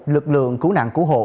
lực lượng cứu nạn cứu hộ